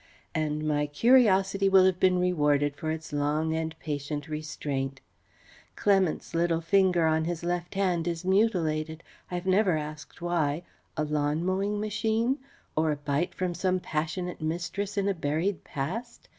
And my curiosity will have been rewarded for its long and patient restraint. Clements' little finger on his left hand is mutilated. I have never asked why a lawn mowing machine? Or a bite from some passionate mistress in a buried past?